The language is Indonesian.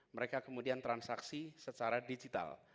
mereka kemudian transaksi secara digital